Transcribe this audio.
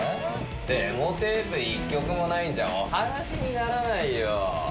デモテープ１曲もないんじゃお話にならないよ。